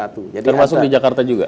termasuk di jakarta juga